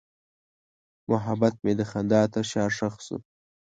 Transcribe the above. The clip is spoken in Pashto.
محبت مې د خندا تر شا ښخ شو.